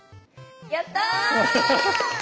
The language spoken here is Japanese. やったぁ！